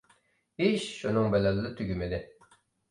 ئىش شۇنىڭ بىلەنلا تۈگىمىدى.